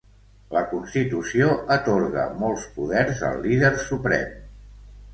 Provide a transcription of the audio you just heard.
La constitució atorga molts poders al líder suprem.